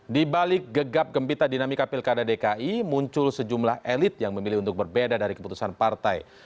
di balik gegap gempita dinamika pilkada dki muncul sejumlah elit yang memilih untuk berbeda dari keputusan partai